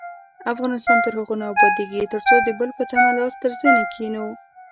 افغانستان تر هغو نه ابادیږي، ترڅو د بل په تمه لاس تر زنې کښينو.